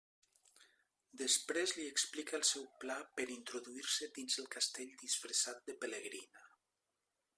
Després li explica el seu pla per introduir-se dins el castell disfressat de pelegrina.